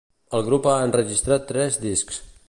El grup ha enregistrat tres discs.